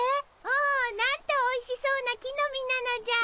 おおなんとおいしそうな木の実なのじゃ。